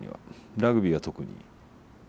ラグビーは特に。